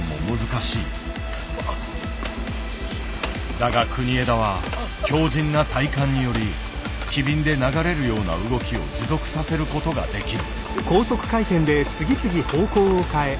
だが国枝は強靱な体幹により機敏で流れるような動きを持続させることができる。